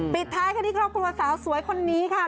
ปิดท้ายกันที่ครอบครัวสาวสวยคนนี้ค่ะ